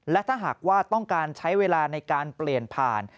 และถ้าหากว่าต้องการใช้เวลาในการเปลี่ยนผ่าน